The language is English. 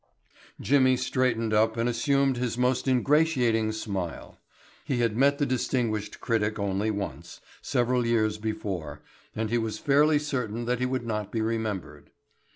Jimmy straightened up and assumed his most ingratiating smile. He had met the distinguished critic only once, several years before, and he was fairly certain that he would not be remembered.